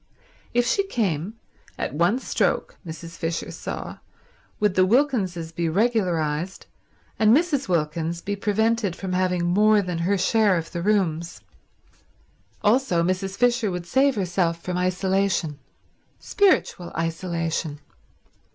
If she came, at one stroke, Mrs. Fisher saw, would the Wilkinses be regularized and Mrs. Wilkins be prevented from having more than her share of the rooms. Also, Mrs. Fisher would save herself from isolation; spiritual isolation.